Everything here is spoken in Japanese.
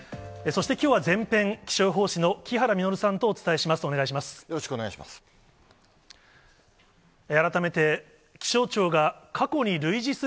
そしてきょうは、全編、気象予報士の木原実さんとお伝えします。